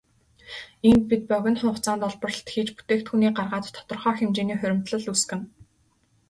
Иймд бид богино хугацаанд олборлолт хийж бүтээгдэхүүнээ гаргаад тодорхой хэмжээний хуримтлал үүсгэнэ.